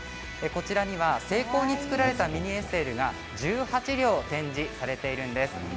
こちらには精巧に作られたミニＳＬが１８両展示されています。